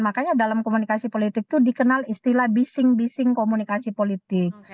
makanya dalam komunikasi politik itu dikenal istilah bising bising komunikasi politik